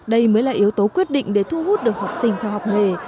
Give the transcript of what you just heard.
đây mới là yếu tố quyết định để thu hút được học sinh theo học nghề